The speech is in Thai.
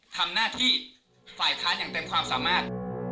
ทำหน้าที่ฝ่ายค้านอย่างเต็มความสามารถ